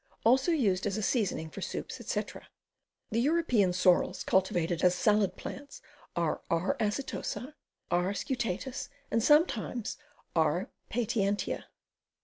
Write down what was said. Also used as a seasoning for soups, etc. The European sorrels cultivated as salad plants are R. Acetosa, R. scutatus, and sometimes R. Patientia.